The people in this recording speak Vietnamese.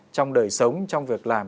trong đời sống trong việc làm